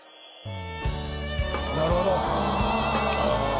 なるほど。